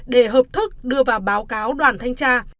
để hợp thức đưa vào báo cáo đoàn thanh tra